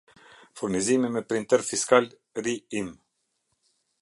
Furnizimi me Printer Fiskal Ri- im